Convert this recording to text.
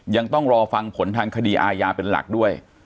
ยังต้องรอฟังผลทางคดีอาญาเป็นหลักด้วย